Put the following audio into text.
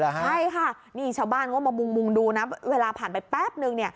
ใช่ค่ะนี่ชาวบ้านก็มามุงดูนะเวลาผ่านไปแป๊บนึง